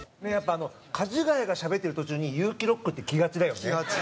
かじがやがしゃべってる途中にユウキロックって来がちだよね。